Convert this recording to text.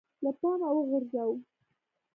له پامه وغورځوو